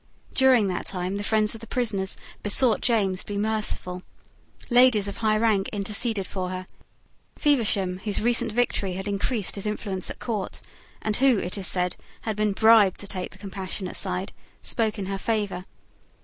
During that time the friends of the prisoner besought James to be merciful. Ladies of high rank interceded for her. Feversham, whose recent victory had increased his influence at court, and who, it is said, had been bribed to take the compassionate side, spoke in her favour.